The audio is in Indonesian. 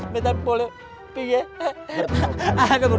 biar saya turun dulu